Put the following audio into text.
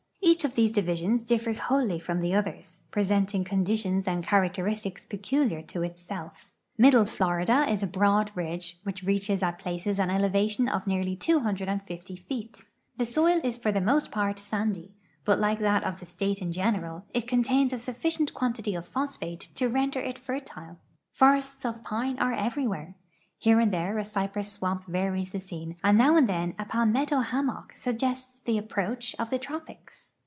Each of these divisions differs wholly from the others, presenting con ditions and characteristics peculiar to itself. Middle Florida is a broad ridge which reaches at places an elevation of nearly 250 feet. The soil is for the most part sandy, but like that of the state in general, it contains a sufficient quan tity of phosphate to render it fertile. Forests of pine are every where. Here and there a cypress swamp varies the scene, and now and then a palmetto liammock suggests the approach of the tropics.